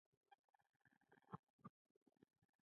دا هیڅ نه سره جوړیږي.